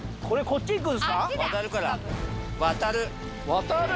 渡る。